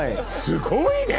すごいね！